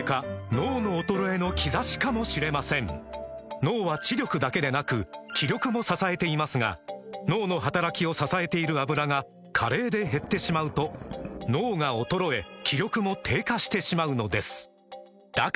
脳の衰えの兆しかもしれません脳は知力だけでなく気力も支えていますが脳の働きを支えている「アブラ」が加齢で減ってしまうと脳が衰え気力も低下してしまうのですだから！